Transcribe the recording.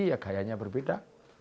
ya gayanya berbeda